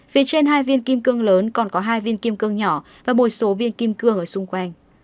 phía trên hai viên kim cương lớn còn có hai viên kim cương nhỏ và một số viên kim cương ở xung quanh